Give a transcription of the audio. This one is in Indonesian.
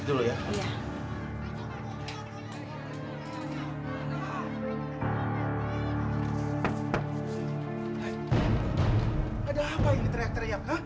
ada apa ini teriak teriak kah